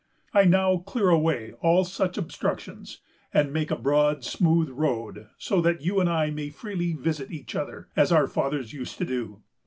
I now clear away all such obstructions, and make a broad, smooth road, so that you and I may freely visit each other, as our fathers used to do.